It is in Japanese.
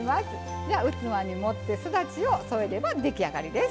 じゃ器に盛ってすだちを添えれば出来上がりです。